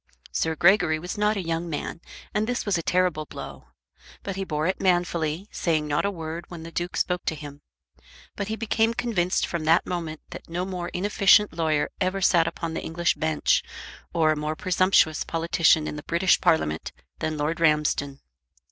Sir Gregory was not a young man, and this was a terrible blow. But he bore it manfully, saying not a word when the Duke spoke to him; but he became convinced from that moment that no more inefficient lawyer ever sat upon the English bench, or a more presumptuous politician in the British Parliament, than Lord Ramsden.